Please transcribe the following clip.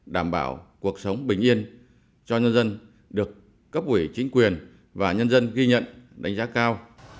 đảm bảo cuộc sống bình yên cho nhân dân được cấp ủy chính quyền và nhân dân ghi nhận đánh giá cao